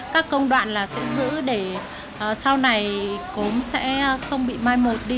các công đoạn là sẽ giữ để sau này cốm sẽ không bị mai một đi